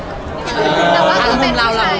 แต่ว่าคือเป็นผู้ชาย